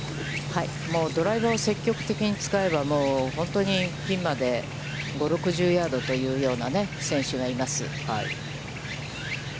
もうドライバーを積極的に使えば、本当にピンまで５０６０ヤードというような選手がいます。